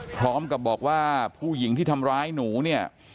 พร้อมกับบอกว่าผู้หญิงที่ทำร้ายหนูเนี่ย